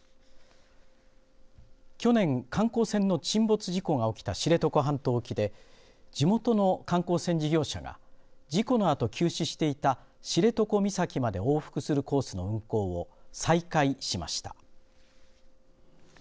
去年、観光船の沈没事故が起きた知床半島沖で地元の観光船事業者が事故のあと休止していた知床岬まで往復するコースの運航を再開しました。